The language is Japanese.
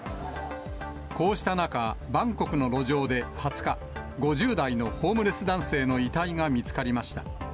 こうした中、バンコクの路上で２０日、５０代のホームレス男性の遺体が見つかりました。